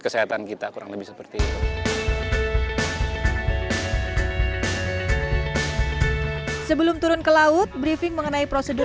kesehatan kita kurang lebih seperti itu sebelum turun ke laut briefing mengenai prosedur